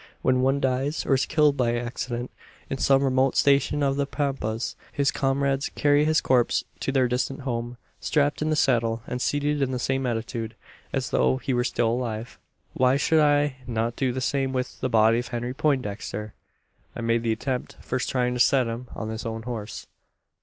When one dies, or is killed by accident, in some remote station of the Pampas, his comrades carry his corpse to their distant home strapped in the saddle, and seated in the same attitude, as though he were still alive. "Why should I not do the same with the body of Henry Poindexter? "I made the attempt first trying to set him on his own horse.